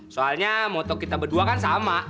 soalnya moto kita berdua kan sama